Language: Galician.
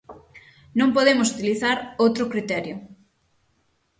Non podemos utilizar outro criterio.